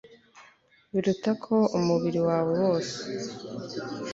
biruta ko umubiri wawe wose